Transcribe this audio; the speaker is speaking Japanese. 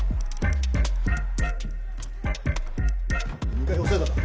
２階は押さえたか？